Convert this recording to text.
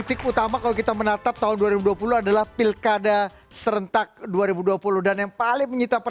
kita akan bahas itu